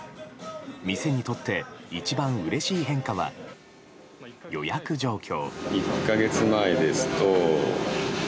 店にとって一番うれしい変化は予約状況。